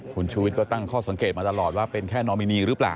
คุณชูวิทย์ก็ตั้งข้อสังเกตมาตลอดว่าเป็นแค่นอมินีหรือเปล่า